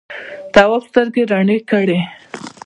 تواب سترګې رڼې کړې.